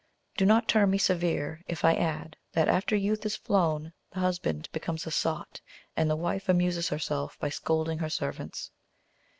Do not term me severe if I add, that after youth is flown the husband becomes a sot, and the wife amuses herself by scolding her servants.